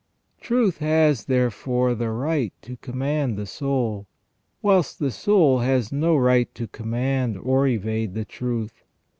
* Truth has, therefore, the right to command the soul, whilst the soul has no right to command or evade the truth.